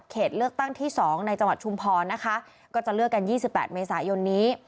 เลือกตั้งที่๒ในจังหวัดชุมพรนะคะก็จะเลือกกัน๒๘เมษายนนี้